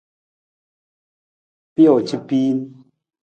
Pijoo ca piin.